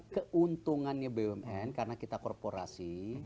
keuntungannya bumn karena kita korporasi